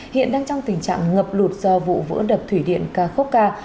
hiện đang trong tình trạng ngập lụt do vụ vỡ đập thủy điện kharkovka